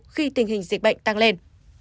khi tình hình dịch bệnh tăng lên